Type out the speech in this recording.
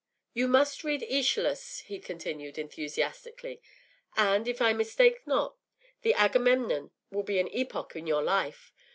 “You must read AEschylus,” he continued, enthusiastically; “and, if I mistake not, the Agamemnon will be an epoch in your life.